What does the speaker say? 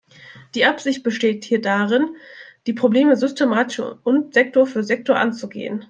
Die Absicht besteht hier darin, die Probleme systematisch und Sektor für Sektor anzugehen.